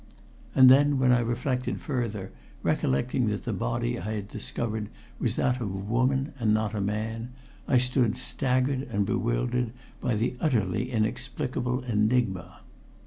And then when I reflected further, recollecting that the body I had discovered was that of a woman and not a man, I stood staggered and bewildered by the utterly inexplicable enigma.